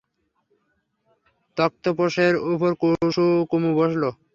তক্তপোশের উপর কুমু বসল।